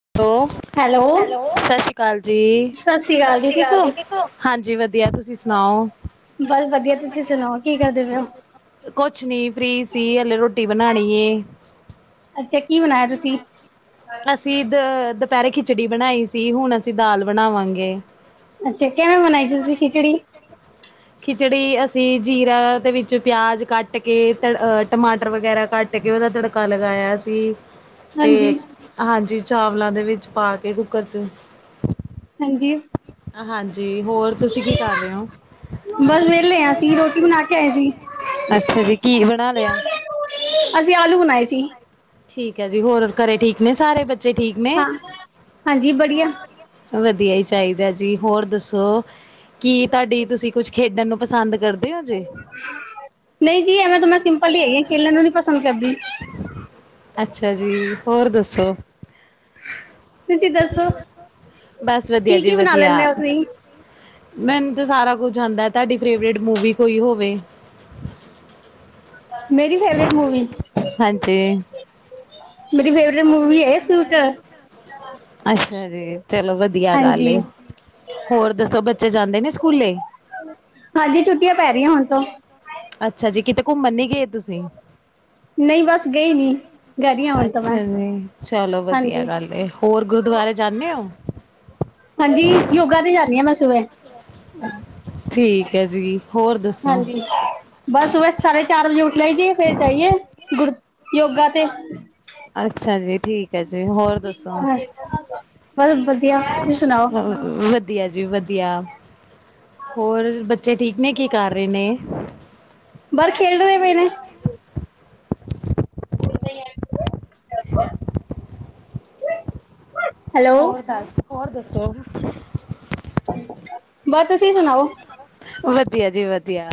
[inaudible] Hello ਸਤਿ ਸ਼੍ਰੀ ਅਕਾਲ ਜੀ, ਸਤਿ ਸ਼੍ਰੀ ਅਕਾਲ ਜੀ, ਹਾਂਜੀ ਵਧੀਆ ਤੁਸੀਂ ਸੁਣਾਓ? [inaudible] ਬਸ ਵਧੀਆ, ਤੁਸੀਂ ਸੁਣਾਓ ਕੀ ਕਰਦੇ ਪਏ ਹੋ? ਕੁਛ ਨੀ ਫ੍ਰੀ ਸੀ ਹਲੇ ਰੋਟੀ ਬਣਾਈ ਐ। ਅੱਛਾ ਕੀ ਬਣਾਇਆ ਤੁਸੀਂ? ਅਂ ਦ ਦੁਪਹਿਰੇ ਖਿਚੜੀ ਬਣਾਈ ਸੀ ਹੁਣ ਅਸੀਂ ਦਾਲ ਬਣਾਵਾਂਗੇ ਅੱਛਾ ਕਿਵੇਂ ਬਣਾਈ ਸੀ ਤੁਸੀਂ ਖਿਚੜੀ? ਜਿਹੜੀ ਅਸੀਂ ਜੀਰਾ ਦੇ ਵਿੱਚ ਪਿਆਜ ਕੱਟ ਕੇ ਅਹ ਟਮਾਟਰ ਵਗੈਰਾ ਕੱਟ ਕੇ ਉਹਦਾ ਤੜਕਾ ਲਗਾਇਆ ਸੀ ਤੇ, ਹਾਂਜੀ ਹਾਂਜੀ ਚਾਵਲਾਂ ਦੇ ਵਿੱਚ ਪਾ ਕੇ ਕੁੱਕਰ ਚ ਹਾਂਜੀ ਹਾਂਜੀ ਹੋਰ ਤੁਸੀਂ ਕੀ ਕਰ ਰਹੇ ਹੋ? ਬਸ ਵਿਹਲੇ ਆਸੀ ਰੋਟੀ ਬਣਾ ਕੇ ਆਏ ਸੀ। ਅੱਛਾ ਜੀ ਕੀ ਬਣਾ ਲਿਆ? ਅਸੀਂ ਆਲੂ ਬਣਾਏ ਸੀ। ਠੀਕ ਹੈ ਜੀ ਹੋਰ ਘਰੇ ਠੀਕ ਨੇ ਸਾਰੇ ਬਚੇ? [unintelligible] ਹਾਜੀ ਵਡੀਆ ਵਧੀਆ ਹੀ ਚਾਹੀਦਾ ਜੀ ਹੋਰ ਦੱਸੋ ਕੀ ਤੁਹਾਡੀ ਤੁਸੀਂ ਕੁਛ ਖੇਡਣ ਨੂੰ ਪਸੰਦ ਕਰਦੇ ਹੋ ਜੀ ਨਹੀਂ ਜੀ ਐਵੇਂ ਤ ਮੈਂ ਸਿੰਪਲ ਹੀ ਹੈਗੀ ਆ ਖੇਲਣ ਨੂੰ ਨੀ ਪਸੰਦ ਕਰਦੀ ਅੱਛਾ ਜੀ, ਹੋਰ ਦੱਸੋ? ਤੁਸੀਂ ਦੱਸੋ? ਬਸ ਵਧੀਆ ਕੀ ਜੀ ਕੀ ਬਣਾ ਵਧੀਆ ਲੈਂਦੇ ਹੋ ਤੁਸੀਂ? ਮੈਨੂੰ ਤੇ ਸਾਰਾ ਕੁੱਝ, ਜਾਂਦਾ ਤੁਹਾਡੀ ਫੇਵਰੇਟ ਮੂਵੀ ਕੋਈ ਹੋਵੇ ਮੇਰੀ ਫੇਵਰੇਟ ਮੂਵੀ, ਹਾਂਜੀ ਮੇਰੀ ਫੇਵਰੇਟ ਮੂਵੀ ਹੈ ਸਟ [inaudible] ਅੱਛਾ ਜੀ ਚਲੋ ਵਧੀਆ ਗੱਲ ਹਾਂਜੀ ਹੈ ਹੋਰ ਦੱਸੋ ਬੱਚੇ ਜਾਂਦੇ ਨੇ ਸਕੂਲੇ ਹਾਂਜੀ ਛੁੱਟੀਆਂ ਪੈ ਰਹੀਆਂ ਹੁਣ ਤੋਂ ਅੱਛਾ ਜੀ ਕਿਤੇ ਘੁੰਮਣ ਨੀ ਗਏ ਤੁਸੀਂ ਨਹੀਂ ਬਸ ਗਈ ਨੀ ਰਹੀ ਹਾਂ ਹੁਣ ਤਾਂ ਮੈਂ ਅੱਛਾ ਜੀ ਚਲੋ ਵਧੀਆ ਹਾਂਜੀ ਗੱਲ ਹੋਰ ਗੁਰਦੁਆਰੇ ਜਾਂਨੇ ਹੋ ਹਾਂਜੀ ਯੋਗਾ ਤੇ ਜਾਂਦੀ ਹਾਂ ਮੈਂ ਸਵੇਰੇ ਠੀਕ ਹੈ ਜੀ ਹੋਰ ਦੱਸੋ ਹਾਂਜੀ ਬਸ ਸੁਬਹ ਸਾਢੇ ਚਾਰ ਵਜੇ ਉੱਠਣਾ ਹੀ ਜੀਏ ਫੇਿਰ ਜਾਈਏ ਗੁਰੂ ਯੋਗਾ ਤੇ ਅੱਛਾ ਜੀ ਠੀਕ ਜੀ ਹੋਰ ਦੱਸੋ ਬਸ ਵਧੀਆ ਤੁਸੀਂ ਸੁਣਾਓ ਵਧੀਆ ਜੀ ਵਧੀਆ ਹੋਰ ਬੱਚੇ ਠੀਕ ਨੇ ਕੀ ਕਰ ਰਹੇ ਨੇ- ਬਾਹਰ ਖੇਲਦੇ ਪਏ ਨੇ [inaudible] [inaudible] ਹੈਲੋ ਹੋਰ ਦੱਸ ਹੋਰ ਦੱਸੋ? ਬਸ ਤੁਸੀਂ ਸੁਣਾਓ? ਵਧੀਆ ਜੀ ਵਧੀਆ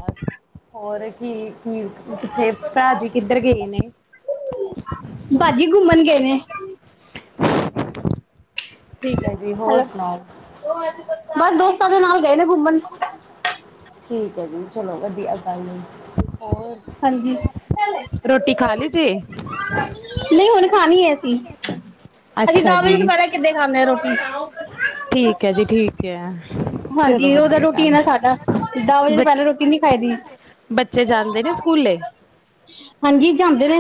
ਹੋਰ ਕੀ ਕੀ ਕਿੱਥੇ ਭਾ ਜੀ ਕਿੱਧਰ ਗਏ ਨੇ ਭਾਜੀ ਘੁੰਮਣ ਗਏ ਨੇ ਠੀਕ ਹੈ ਜੀ ਹੋਰ ਹੈਲੋ ਸੁਣਾਓ ਬਸ ਦੋਸਤਾਂ ਦੇ ਨਾਲ ਗਏ ਨੇ ਘੁੰਮਣ ਠੀਕ ਹੈ ਜੀ ਚਲੋ ਵਧੀਆ ਟਾਈਮ ਏ ਹਾਂਜੀ ਹੋਰ ਰੋਟੀ ਖਾ ਲਈ ਜੇ ਨਹੀਂ ਹੂਨ ਖਾਣੀ ਹੈ ਅਸੀਂ ਅੱਛਾ ਦਸ ਵਜੇ ਜੀ ਪਹਿਲਾ ਕਿੱਦੇ ਖਾਂਦੇ ਆ ਰੋਟੀ ਠੀਕ ਹੈ ਜੀ ਠੀਕ ਹੈ ਚਲੋ ਹਾਂਜੀ ਉਹ ਤਾਂ ਵਧੀਆ ਰੁਟੀਨ ਗੱਲ ਹੈ ਸਾਡਾ ਦਾਂ ਵਜੇ ਬ ਤੋਂ ਪਹਿਲਾਂ ਰੋਟੀ ਨੀ ਖਾਇ ਦੀ ਬੱਚੇ ਜਾਂਦੇ ਨੇ ਸਕੂਲੇ ਹਾਂਜੀ ਜਾਂਦੇ ਨੇ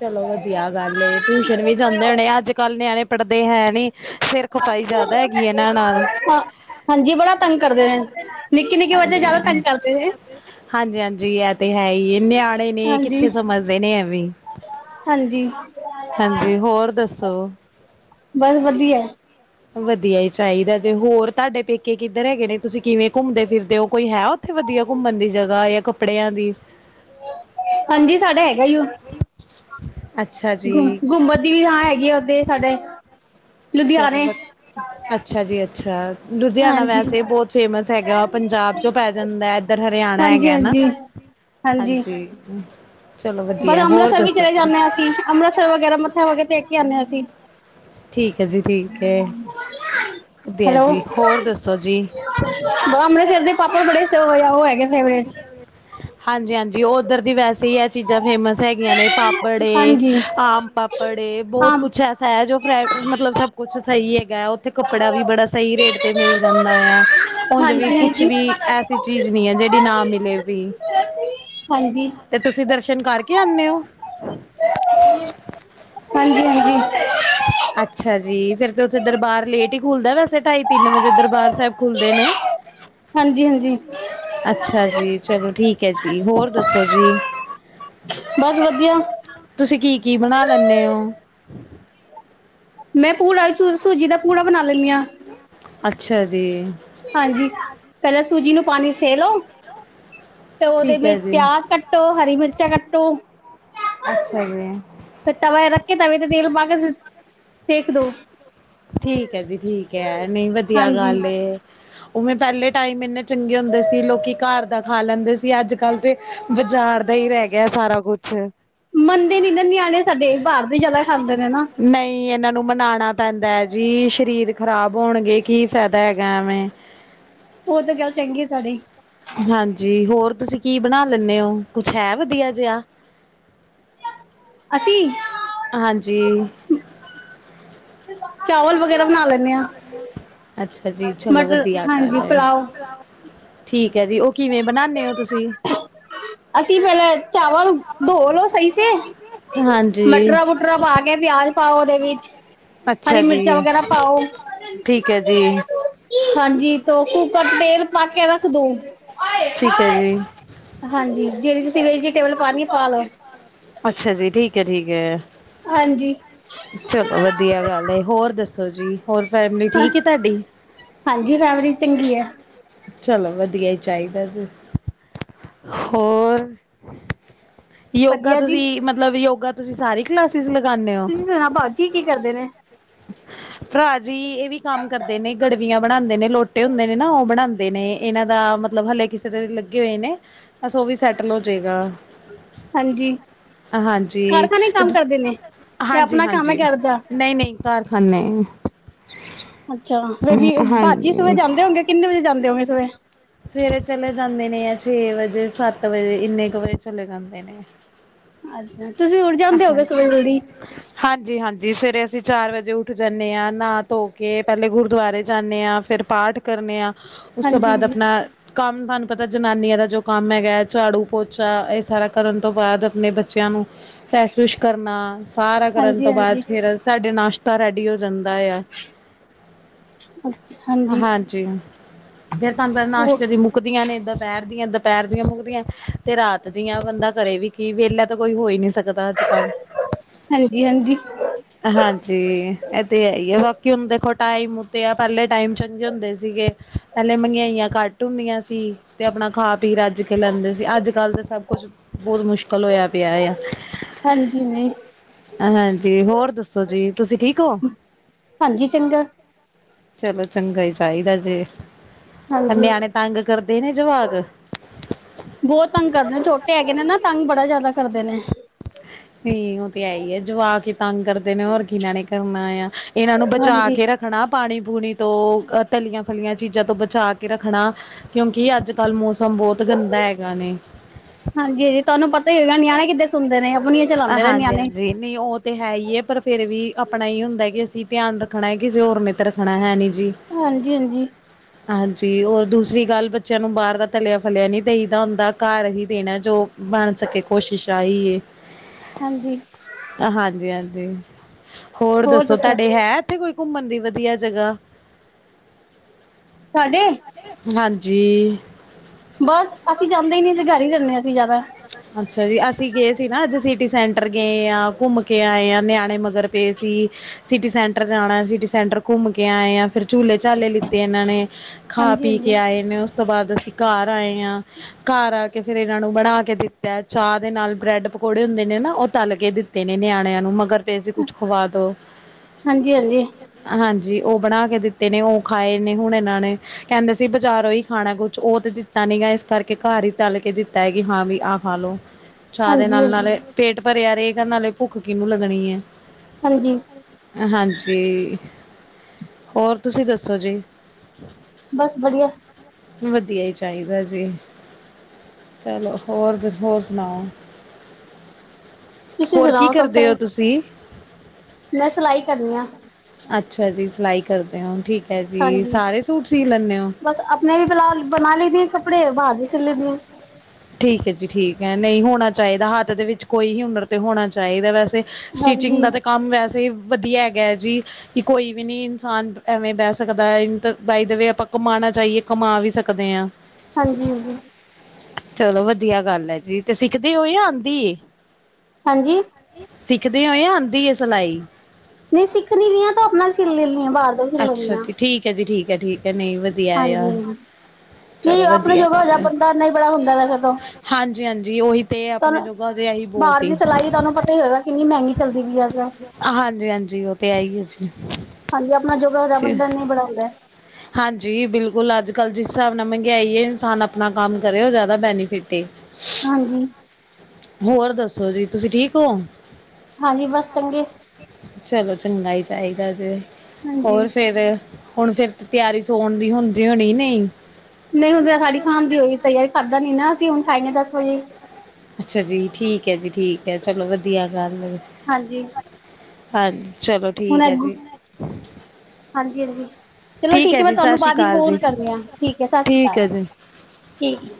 ਚਲੋ ਵਧੀਆ ਗੱਲ ਏ ਟਿਊਸ਼ਨ ਵੀ ਜਾਂਦੇ ਹੋਣੇ ਅੱਜ ਕੱਲ੍ਹ ਨਿਆਣੇ ਪੜਦੇ ਹੈ ਨੀ ਸਿਰ ਖਪਾਈ ਜ਼ਿਆਦਾ ਹੈਗੀ ਇਹਨਾਂ ਨਾਲ ਹਾਂ ਹਾਂਜੀ ਬੜਾ ਤੰਗ ਕਰਦੇ ਨੇ ਨਿੱਕੇ ਨਿੱਕੇ ਬੱਚੇ ਜ਼ਿਆਦਾ ਤੰਗ ਕਰਦੇ ਨੇ ਹਾਂਜੀ ਹਾਂਜੀ ਇਹ ਤੇ ਹੈ ਹੀ ਹੈ ਨਿਆਣੇ ਨੇ ਹਾਂਜੀ ਕਿੱਥੇ ਸਮਝਦੇ ਨੇ ਐ ਵੀ ਹਾਂਜੀ। ਹਾਂਜੀ ਹੋਰ ਦੱਸੋ ਬਸ ਵਧੀਆ ਵਧੀਆ ਹੀ ਚਾਹੀਦਾ ਜੇ ਹੋਰ ਤੁਹਾਡੇ ਪੇਕੇ ਕਿੱਧਰ ਹੈਗੇ ਨੇ ਤੁਸੀਂ ਕਿਵੇਂ ਘੁੰਮਦੇ ਫਿਰਦੇ ਹੋ ਕੋਈ ਹੈ ਉੱਥੇ ਵਧੀਆ ਘੁੰਮਣ ਦੀ ਜਗ੍ਹਾ ਜਾਂ ਕੱਪੜਿਆਂ ਦੀ ਹਾਂਜੀ ਸਾਡਾ ਹੈਗਾ ਉਹ ਅੱਛਾ ਗੁਮ ਜੀ ਘੁੰਮਣ ਦੀ ਵੀ ਥਾਂ ਹੈਗੀ ਆ ਉੱਧ ਸਾਡੇ ਲੁਧਿਆਣੇ ਚਲੋ ਅੱਛਾ ਜੀ ਅੱਛਾ ਲੁਧਿਆਣਾ ਹਾਂਜੀ ਵੈਸੇ ਬਹੁਤ ਫੇਮਸ ਹੈਗਾ ਵਾ ਪੰਜਾਬ ਚੋਂ ਪੈ ਜਾਂਦਾ ਇੱਧਰ ਹਰਿਆਣਾ ਹਾਂਜੀ ਹੈਗਾਾ ਹਾਂਜੀ ਹਾਂਜੀ ਚਲੋ ਬਸ ਵਧੀਆ ਹੋਰ ਅੰਮ੍ਰਿਤਸਰ ਵੀ ਦੱਸੋ ਚਲੇ ਜੀ। ਜਾਂਦੇ ਹਾਂ ਅਸੀਂ ਅੰਮ੍ਰਿਤਸਰ ਵਗੈਰਾ ਮੱਥਾ ਵ ਟੇ ਕੇ ਆਉਦੇ ਹ ਅਸੀਂ ਠੀਕ ਹੈ ਜੀ ਠੀਕ ਹੈ ਵਦੀਆ ਹੈਲੋ ਜੀ ਹੋਰ ਦੱਸੋ ਜੀ ਅੰਮ੍ਰਿਤਸਰ ਦੇ ਪਾਪੜ ਬੜੇ ਸੇ ਹੋ ਆ ਉਹ ਹੈਗੇ ਫੇਵਰੇਟ ਹਾਂਜੀ-ਹਾਂਜੀ ਉਹ ਉਧਰ ਦੀ ਵੈਸੇ ਹੀ ਇਹ ਚੀਜ਼ਾਂ ਫੇਮਸ ਹੈਗੀਆਂ ਨੇ ਪਾਪੜ ਹਾਂਜੀ ਆਮ ਪਾਪੜੇ ਹਾਂ ਬਹੁਤ ਕੁਛ ਸ ਹੈ ਜੋ ਫ ਮਤਲਬ ਸਭ ਕੁੱਛ ਸਹੀ ਹੈਗਾ ਆ ਉੱਥੇ ਕੱਪੜਾ ਵੀ ਹਾਂਜੀ ਬੜਾ ਸਹੀ ਰੇਟ ਤੇ ਮਿਲ ਜਾਂਦਾ ਆ ਉਝ ਵੀ ਕੁਛ ਹਾਂਜੀ ਹਾਂਜੀ ਵੀ ਐਸੀ ਚੀਜ਼ ਨਹੀਂ ਹੈ ਜਿਹੜੀ ਨਾ ਮਿਲੇ ਵੀ ਹਾਂਜੀ ਤੇ ਤੁਸੀਂ ਦਰਸ਼ਨ ਕਰਕੇ ਆਨੇ ਔ? ਹਾਂਜੀ-ਹਾਂਜੀ ਅੱਛਾ, ਫੇਰ ਤੇ ਉੱਥੇ ਦਰਬਾਰ ਲੇਟ ਹੀ ਖੁੱਲਦਾ ਵੈਸੇ ਢਾਈ ਤਿੰਨ ਵਜੇ ਦਰਬਾਰ ਸਾਹਿਬ ਖੁੱਲਦੇ ਨੇ ਹਾਂਜੀ ਹਾਂਜੀ ਅੱਛਾ ਜੀ ਚਲੋ ਠੀਕ ਹੈ ਹੋਰ ਦੱਸੋ ਜੀ ਬਸ ਵਧੀਆ ਤੁਸੀਂ ਕੀ? ਕੀ ਬਣਾ ਲੈਂਦੇ ਹੋ, ਮੈਂ ਪੂੜ ਸੂਜੀ ਦਾ ਪੂੜ ਬਣਾ ਲੈਂਨੀ ਆ, ਅੱਛਾ ਜੀ, ਹਾਂਜੀ ਪਹਿਲਾਂ ਸੂਜੀ ਨੂੰ ਪਾਣੀ ਸੇ ਲਓ, ਤੇ ਉਹਦੇ ਠੀਕ ਹੈ ਵਿੱਚ ਜੀ। ਪਿਆਜ ਕੱਟੋ ਹਰੀ ਮਿਰਚਾਂ ਕੱਟੋ ਅੱਛਾ ਜੀ ਫਿਰ ਤਵਾ ਰੱਖੇ ਤਵੇ ਤੇ ਤੇਲ ਪਾ ਕੇ ਸੇਕ ਦੋ ਠੀਕ ਹੈ ਜੀ ਠੀਕ ਹੈ ਨਹੀਂ ਵਧੀਆ ਹਾਂਜੀ ਗੱਲ ਹੈ। ਉਵੇਂ ਪਹਿਲੇ ਟਾਈਮ ਇੰਨੇ ਚੰਗੇ ਹੁੰਦੇ ਸੀ। ਲੋਕੀ ਘਰ ਦਾ ਖਾ ਲੈਂਦੇ ਸੀ। ਅੱਜ ਕੱਲ ਦੇ ਬਾਜ਼ਾਰ ਦਾ। ਇਹੀ ਰਹਿ ਗਿਆ ਸਾਰਾ ਕੁਛ। ਮੰਨਦੇ ਨੀ ਨਾ ਨਿਆਣੇ ਸਾਡੇ ਬਾਹਰ ਦੇ ਜਿਆਦਾ ਖਾਂਦੇ ਨੇ ਨਾ। ਇਹ ਜੀ ਸਰੀਰ ਖ਼ਰਾਬ ਹੋਣਗੇ ਕੀ ਫਾਇਦਾ ਹੈਗਾ ਐਵੇਂ ਉਹ ਤੇ ਗੱਲ ਚੰਗੀ ਹੈ ਤੁਹਾਡੀ। ਹਾਂਜੀ ਹੋਰ ਤੁਸੀਂ ਕੀ ਬਣਾ ਲੈਂਦੇ ਹੋ ਕੁਛ ਹੈ ਵਧੀਆ ਜਿਹਾ? ਅਸੀਂ। ਹਾਂਜੀ। ਚਾਵਲ ਵਗੈਰਾ ਬਣਾ ਲੈਣੇ ਹਾਂ। ਅੱਛਾ ਜੀ ਚਲੋ ਮਟਰ ਵਧੀਆ ਗੱਲ ਹਾਂਜੀ ਐ ਪੁਲਾਓ ਠੀਕ ਐ ਜੀ ੳਕੇ। ਅਸੀਂ ਪਹਿਲਾਂ ਚਾਵਲ ਧੋਲਓ ਸਹੀ ਸੇ। ਹਾਂਜੀ ਮਟਰਾਂ ਮੂਟਰਾਂ ਪਾ ਕੇ ਪਿਆਜ ਪਾਓਦੇ। ਅੱਛਾ ਹਰੀ ਮਿਰਚਾਂ ਜੀ ਵਗੈਰਾ ਪਾਓ। ਠੀਕ ਹੈ ਜੀ ਹਾਂਜੀ ਤੇ ਕੂਕਰ 'ਚ ਤੇਲ ਪਾ ਕੇ ਰੱਖਦੋ? ਠੀਕ ਹੈ ਜੀ। ਹਾਂਜੀ ਜਿਹੜੀ ਤੁਸੀਂ ਵੇਜੀਟੇਬਲ ਪਾਉਣੀ ਹੈ, ਪਾ ਲਓ? ਅੱਛਾ ਜੀ ਠੀਕ ਹੈ ਠੀਕ ਹੈ। ਹਾਂਜੀ ਚਲੋ ਵਧੀਆ ਗੱਲ ਹੈ, ਹੋਰ ਦੱਸੋ ਜੀ? ਹੋਰ ਫੈਮਲੀ ਠੀਕ ਹੈ ਤੁਹਾਡੀ? ਹਾਂਜੀ ਫੈਮਿਲੀ ਚੰਗੀ ਹੈ ਚਲੋ ਵਧੀਆ ਹੀ ਚਾਹੀਦਾ ਜੀ, ਹੋਰ? ਯੋਗਾ ਵਧੀਆ ਜੀ ਤੁਸੀਂ ਮਤਲਬ ਯੋਗਾ ਤੁਸੀਂ ਸਾਰੀ ਕਲਾਸ। ਤੁਸੀ ਲਗਾਉਂਦੇ ਹੋ? ਤੁਸੀਂ ਸੁਣਾ ਭਾਜੀ ਕੀ ਕਰਦੇ ਨੇ ਭਰਾ ਜੀ ਇਹ ਵੀ ਕੰਮ ਕਰਦੇ ਨੇ ਗੜਵੀਆਂ ਬਣਾਦੇ ਨੇ ਲੋਟੇ ਹੁੰਦੇ ਨੇ ਨਾ ਉਹ ਬਣਾਦੇ। ਬਣਾਦੇ ਨੇ ਇਹਨਾਂ ਦਾ ਮਤਲਬ ਹਲੇੇ ਕਿਸੇ ਦੇ ਲੱਗੇ ਹੋਏ ਨੇ ਬਸ ਉਹ ਵੀ ਸੈਟਲ ਹੋ ਜਾਏਗਾ। ਹਾਂਜੀ। ਹਾਂਜੀ ਕਾਰਖਾਨੇ ਤੇ ਕੰਮ ਕਰਦੇ ਨੇ ਜਾਂ ਆਪਣਾ ਕੰਮ ਹੈ ਹਾਂਜੀ-ਹਾਂਜੀ ਕਰਦਾ ਨਹੀਂ-ਨਹੀਂ। ਕਾਰਖ਼ਾਨੇ। ਅੱਛਾ ਫੇਰ ਵੀ ਭਾਜੀ ਸਵੇਰੇ ਹਾਂਜੀ ਜਾਂਦੇ ਹੋਗੇ ਕਿੰਨੇ ਵਜੇ ਜਾਂਦੇ ਹੋਣਗੇ ਸਵੇਰੇ। ਸਵੇਰੇ ਚਲੇ ਜਾਂਦੇ ਨੇ ਜਾਂ ਛੇ ਵਜੇ ਸੱਤ ਵਜੇ ਇੰਨੇ ਕੁ ਵਜੇ ਚਲੇ ਜਾਂਦੇ ਨੇ। ਅੱਛਾ। ਤੁਸੀਂ ਉਠ ਜਾਂਦੇ ਹੋਗੇ ਸੁਬੇ ਜਲਦੀ ਹਾਂਜੀ-ਹਾਂਜੀ-ਹਾਂਜੀ। ਜੀ ਸਵੇਰੇ ਅਸੀਂ ਚਾਰ ਵਜੇ ਉੱਠ ਜਾਂਦੇ ਹਾਂ ਨਾਹ ਧੋ ਕੇ ਪਹਿਲੇ ਗੁਰਦੁਆਰੇ। ਜਾਂਨੇ ਹਾਂ ਫਿਰ ਪਾਠ ਕਰਨੇ ਹਾਂ, ਉਸ ਤੋਂ ਹਾਂਜੀ ਬਾਅਦ ਆਪਣਾ। ਕੰਮ ਤੁਹਾਨੂੰ ਪਤਾ ਜਨਾਨੀਆਂ ਦਾ ਜੋ ਕੰਮ ਹੈਗਾ ਝਾੜੂ ਪੋਚਾ ਇਹ ਸਾਰਾ ਕਰਨ ਤੋਂ ਬਾਅਦ ਆਪਣੇ ਬੱਚਿਆਂ ਨੂੰ। ਫਰੈਸ਼ ਫਸ਼ ਕਰਨਾ। ਸਾਰਾ ਕਰਨ ਹਾਂਜੀ ਹਾਂਜੀ ਤੋਂ ਬਾਅਦ ਹਾਂਜੀ ਫਿਰ ਸਾਡੇ ਨਾਸ਼ਤਾ ਰੈਡੀ ਹੋ ਜਾਂਦਾ ਆ। ਅੱਛਾ ਹਾਂਜੀ। ਫਿਰ ਤੁਹਾਨੂੰ ਪਤਾ ਉਹ ਨਾਸ਼ਤੇ ਦੀਆਂ ਮੁੱਕਦੀਆਂ ਨੇ ਦੁਪਹਿਰ ਦੀਆਂ। ਦੁਪਹਿਰ ਦੀਆਂ ਮੁੱਕਦੀਆਂ ਤੇ ਰਾਤ ਦੀਆਂ ਬੰਦਾ ਕਰੇ ਵੀ ਕੀ ਵਿਹਲਾ ਤਾਂ ਕੋਈ ਹੋਈ ਨਹੀਂ ਸਕਦਾ। ਸਕਦਾ ਅੱਜ ਕੱਲ। ਹਾਂਜੀ ਹਾਂਜੀ ਹਾਂਜੀ ਇਹ ਤੇ ਹੈ ਹੀ ਆ ਬਾਕੀ ਹੁਣ ਦੇਖੋ? ਟਾਈਮ ਉੱਤੇ ਆ ਪਹਿਲੇ ਟਾਈਮ ਚੰਗੇ ਹੁੰਦੇ ਸੀਗੇ ਪਹਿਲੇ ਮਗਾਈਆਂ ਘੱਟ ਹੁੰਦੀਆਂ ਸੀ। ਤੇ? ਆਪਣਾ ਖਾ ਪੀ ਰੱਜ ਕੇ ਲੈਂਦੇ ਸੀ। ਅੱਜ ਕੱਲ ਤਾਂ ਸਭ ਕੁੱਛ ਬਹੁਤ ਮੁਸ਼ਕਿਲ ਹੋਇਆ ਪਿਆ ਆ? ਹਾਂਜੀ ਨਹੀਂ ਹਾਂਜੀ ਹੋਰ ਦੱਸੋ ਜੀ ਤੁਸੀਂ ਠੀਕ ਹੋ? ਹਾਂਜੀ ਚੰਗਾ। ਚਲੋ ਚੰਗਾ ਚਾਹੀਦਾ ਜੇ। ਹਾਂਜੀ ਨਿਆਣੇ ਤੰਗ ਕਰਦੇ ਨੇ ਜਵਾਕ। ਬਹੁਤ ਤੰਗ ਕਰਦੇ ਨੇ ਛੋਟੇ ਹੈਗੇ ਨੇ ਨਾ ਤੰਗ ਬੜਾ ਜਿਆਦਾ ਕਰਦੇ ਨੇ? ਨਹੀਂ ਉਹ ਤੇ ਹੈ ਹੀ ਐ ਜਵਾਕ ਹੀ ਤੰਗ ਕਰਦੇ ਨੇ ਹੋਰ ਕੀ ਇਹਨਾਂ ਨੇ ਕਰਨਾ ਆ ਇਹਨਾਂ ਨੂੰ ਬਚਾ ਹਾਂਜੀ ਕੇ। ਬਣਾ ਪਾਣੀ- ਬੂਣੀ ਤੋਂ ਤਲੀਆਂ ਫਲੀਆਂ ਚੀਜ਼ਾਂ ਤੋਂ ਬਚਾ ਕੇ ਰੱਖਣਾ ਕਿਉ ਕਿ ਅੱਜ-ਕੱਲ ਮੌਸਮ ਬਹੁਤ ਗੰਦਾ ਹੈਗਾ ਨੇ ਹਾਂਜੀ ਹਾਂਜੀ ਤੁਹਾਨੂੰ ਪਤਾ ਹੀ ਹੋਏਗਾ ਨਿਆਣੇ ਕਿੱਦਾਂ ਸੁਣਦੇ ਨੇ ਆਪਣੀਆਂ ਚਲਾਉਂਦੇ ਨੇ ਨਿਆਣੇ ਹਾਂਜੀ-ਹਾਂਜੀ ਨਹੀ ਉਹ ਤੇ ਹੈ, ਹੀ ਪਰ ਫੇਰ ਵੀ ਆਪਣਾ ਹੀ ਹੁੰਦਾ ਕਿ ਅਸੀ ਧਿਆਨ ਰਖਣਾ ਹੈ। ਕਿਸੇ ਹੋਰ ਨੇ ਤੇ ਰੱਖਣਾ ਹੈ। ਨੀ ਹਾਂਜੀ- ਹਾਂਜੀ- ਹਾਂਜੀ ਰ ਦੂਸਰੀ ਗੱਲ ਬੱਚਿਆਂ ਨੂੰ ਬਾਹਰ ਦਾ ਤਲਿਆ ਫਲਿਆ ਨੀ ਦਹੀ ਦਾ ਹੁੰਦਾ ਘਰ ਹੀ ਦੇਣਾ ਜੋ ਬਣ ਦੇਖੋ ਸਸਾਈ ਆਈ ਹਾਂਜੀ ਹੈ। ਹਾਂਜੀ- ਹਾਂਜੀ ਹੋਰ ਦਸੋ ਤੁਹਾਡੇ ਹੈ। ਇਥੇ ਕੋਈ ਘੁੰਮਣ ਦੀ ਵਧੀਆ ਜਗਾ ਸਾਡੇ- ਹਾਂਜੀ- ਬਸ ਅਸੀ ਜਾਂਦੇ ਹੀ ਨਹੀ ਅਸੀ ਘਰ ਹੀ ਜਾਂਦੇ ਹੈ ਅਸੀ ਜ਼ਿਆਦਾ ਅਛਾ ਜੀ ਅਸੀ ਗਏ ਸੀ ਨਾ ਅਜ ਅ ਸਿਟੀ ਸੈਂਟਰ ਗਏ ਆ ਘੁੰਮ ਕੇ ਆਏ ਆ ਨਿਆਣੇ ਮਗਰ ਪਏ ਸੀ ਸਿਟੀ ਸੈਂਟਰ ਜਾਣਾ ਸਿਟੀ ਸੈਂਟਰ ਘੁੰਮ ਕੇ ਆਏ ਆ ਫਿਰ ਝੂਲੇ ਝਾਲੇ ਲਿਤੇ ਇਹਨਾਂ ਨੇ ਖਾ ਹਾਂਜੀ ਪੀ ਕੇ ਹਾਂਜੀ ਆਏ ਨੇ ਉਸ ਤੋਂ ਬਾਅਦ ਅਸੀ ਘਰ ਆਏ ਹਾਂ ਘਰ ਆ ਕੇ ਫਿਰ ਇਹਨਾਂ ਨੂੰ ਬਣਾ ਕੇ ਦਿਤਾ ਚਾਹ ਦੇ ਨਾਲ ਬ੍ਰੈਡ ਪਕੌੜੇ ਹੁੰਦੇ ਨੇ ਨਾ ਉਹ ਤਲ ਕੇ ਦਿਤੇ ਨੇ ਨਿਆਣਿਆਂ ਨੂੰ ਮਗਰ ਤੇ ਅਸੀ ਕੁਛ ਪਾਦੋ ਹਾਂਜੀ -ਹਾਂਜੀ- ਉਹ ਬਣਾ ਕੇ ਦਿਤੇ ਨੇ ਉਹ ਖਾਏ ਨੇ ਹੁਣ ਇਹਨਾਂ ਨੇ ਕਹਿਦੇ ਸੀ ਬਜ਼ਾਰੋਂ ਹੀ ਖਾਣਾ ਕੁਛ ਉਹ ਤੇ ਦਿਤਾ ਨਹੀ ਇਸ ਕਰਕੇ ਘਰ ਹੀ ਤਲ ਕੇ ਦਿਤਾ ਹੈਗੀ ਹਾਂ ਵੀ ਆਹ ਖਾ ਲੋ ਚਾਹ ਦੇ ਹਾਂਜੀ ਨਾਲ ਹਾਂਜੀ ਨਾਲੇ ਪੇਟ ਭਰਿਆ ਰਹੇਗਾ ਨਾਲੇ ਭੁੱਖ ਕਿਹਨੂੰ ਲੱਗਣੀ ਹੈ। ਹਾਂਜੀ ਹਾਂਜੀ- ਹੋਰ ਤੁਸੀ ਦਸੋ ਜੀ ਬਸ ਵਧੀਆ- ਵਧੀਆ ਹੀ ਚਾਹੀਦਾ ਜੀ ਚਲੋ- ਹੋਰ ਹੋਰ ਸੁਣਾਓ ਤੁਸੀਂ ਹੋਰ ਕੀ ਸੁਣਾਓ ਸਭ ਕਰਦੇ ਹੋ ਚੰਗਾ ਤੁਸੀ ਮੈਂ ਸਿਲਾਈ ਕਰਨੀ ਆ ਅੱਛਾ ਜੀ ਸਿਲਾਈ ਕਰਦੇ ਹੋ ਠੀਕ- ਹੈ ਜੀ, ਹਾਂਜੀ ਸਾਰੇ ਸੂਟ ਸੀ ਲੈਂਦੇ ਹੋ? ਬਸ ਆਪਣੇ ਵੀ ਬਣਾ ਲਈਦੀ ਆ ਕੱਪੜੇ ਬਾਹਰ ਵੀ ਸਿਲੇ ਦੀ ਹ ਠੀਕ ਹੈ। ਜੀ ਠੀਕ ਹੈ। ਨਹੀ ਹੋਣਾ ਚਾਹੀਦਾ ਹਥ ਦੇ ਵਿਚ ਕੋਈ ਹੀ ਹੁਨਰ ਤੇ ਹੋਣਾ ਚਾਹੀਦਾ ਵੈਸੇ ਸਟਿਚਿੰਗ ਹਾਂਜੀ ਦਾ ਤਾਂ ਕੰਮ ਵੈਸੇ ਹੀ ਵਧੀਆ ਹੈਗਾ ਹੈ। ਜੀ ਕਿ ਕੋਈ ਵੀ ਨੀ ਇਨਸਾਨ ਐਵੇਂ ਬਹਿ ਸਕਦਾ ਬਾਈ ਦੇਵੇ ਆਪਾਂ ਕਮਾਣਾ ਚਾਈਏ ਕਮਾ ਵੀ ਸਕਦੇ ਹਾਂ ਹਾਂਜੀ ਹਾਂਜੀ ਚਲੋ ਵਧੀਆ ਗੱਲ ਹੈ। ਜੀ ਤੇ ਸਿਖਦੇ ਹੋ ਜਾਂ ਆਂਦੀ ਏ ਹਾਂਜੀ ਸਿਖਦੇ ਹੋ ਯਾ ਆਂਦੀ ਹੈ ਸਿਲਾਈ ਨਹੀਂ ਸਿੱਖਣੀ ਵੀ ਹੈ ਤਾਂ ਆਪਣਾ ਸਿਲ ਲੈਂਦੀ ਹਾਂ ਬਾਹਰ ਦਾ ਵੀ ਸਿਲ ਲੈਂਦੀ ਅੱਛਾ ਹਾਂ ਜੀ ਠੀਕ ਹੈ ਜੀ ਠੀਕ ਹੈ ਠੀਕ ਹੈ ਨਹੀਂ ਵਧੀਆ ਹਾਂਜੀ ਯਾਰ ਹਾਂਜੀ ਕੀ ਚਲੋ ਆਪਣੇ ਵਧੀਆ ਜੋਗਾ ਹੋ ਗੱਲ ਜਾ ਹੈ ਬੰਦਾ ਇਨਾ ਹੀ ਬੜਾ ਹੁੰਦਾ ਵੈਸੇ ਤਾਂ ਹਾਂਜੀ ਹਾਂਜੀ ਉਹੀ ਤੇ ਆਪਣੇ ਤੁਹਾਨੂੰ ਜੋਗਾ ਤੇ ਇਹੀ ਬਹੁਤ ਬਾਹਰ ਦੀ ਹੀ ਸਿਲਾਈ ਤੁਹਾਨੂੰ ਪਤਾ ਹੀ ਹੋਏਗਾ ਕਿਨੀ ਮਹਿਗੀ ਚਲਦੀ ਪਈ ਅਜ ਹਾਂਜੀ ਹਾਂਜੀ ਉਹ ਤੇ ਹੈ ਇ ਹੈ ਜੀ ਹਾਂਜੀ ਆਪਣਾ ਜੋਗਾ ਤੇ ਬੰਦਾ ਉਨਾ ਹੀ ਬੜਾ ਹੁੰਦਾ ਹੈ ਹਾਂਜੀ ਬਿਲਕੁਲ ਅੱਜ ਕਲ ਜਿਸ ਹਿਸਾਬ ਮਹਿੰਗਾਈ ਇਨਸਾਨ ਆਪਣਾ ਕਮ ਕਰੇ ਉਹ ਜ਼ਿਆਦਾ ਬੈਨੀਫਿਟ ਏ ਹਾਂਜੀ ਹੋਰ ਦਸੋ ਜੀ ਤੁਸੀ ਠੀਕ ਹੋ। ਹਾਂਜੀ ਬਸ ਚੰਗੇ ਚਲੋ ਚੰਗਾ ਹੀ ਚਾਹੀਦਾ ਜੇ ਹਾਂਜੀ ਹੋਰ ਫੇਰ ਹੁਣ ਫਿਰ ਤਿਆਰੀ ਸੋਣ ਦੀ ਹੁੰਦੀ ਹੋਣੀ ਨਹੀ ਨਹੀਂ ਹੁੰ ਤੇ ਸਾਡੀ ਸ਼ਾਮ ਦੀ ਹੋਈ ਪਈ ਹੈ ਖਾਦਾ ਨੀ ਨਾ ਅਸੀਂ ਹੁਣ ਖਾਈਗੇ ਦਸ ਵਜੇ ਅੱਛਾ ਜੀ ਠੀਕ ਹੈ ਜੀ ਠੀਕ ਹੈ ਚਲੋ ਵਧੀਆ ਗੱਲ ਹਾਂਜੀ ਹਾਂਜੀ ਚਲੋ ਹੁਣ ਠੀਕ ਹੈ ਅੱਗੂ ਜੀ ਹਾਂਜੀ ਹਾਂਜੀ ਚਲੋ ਠੀਕ ਹੈ ਮੈਂ ਜੀ ਸਤਿ ਤੁਹਾਨੂੰ ਸ਼੍ਰੀ ਬਾਅਦ ਹੀ ਅਕਾਲ ਫੋਨ ਜੀ ਕਰੀ ਹ ਠੀਕ ਹੈ ਸਤਿ ਸ਼੍ਰੀ ਠੀਕ ਅਕਾਲ ਹੈ ਜੀ ਠੀਕ